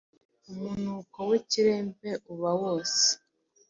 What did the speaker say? umunuko w’ikiremve uba wose,